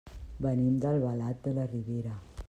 Venim d'Albalat de la Ribera.